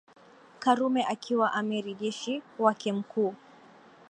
Karume akiwa amiri jeshi wake Mkuu